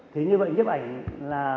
thế như vậy nhiếp ảnh là